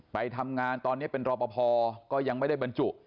ไปทำงานตอนนี้เป็นรอปภก็ยังไม่ได้บรรจุ